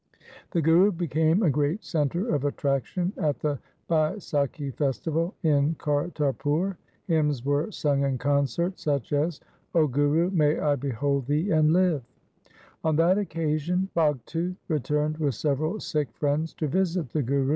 The Guru became a great centre of attraction at the Baisakhi festival in Kartarpur. Hymns were sung in concert such as :— 0 Guru, may I behold thee and live ! 3 On that occasion Bhagtu returned with several Sikh friends to visit the Guru.